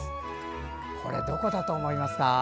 どこだと思いますか？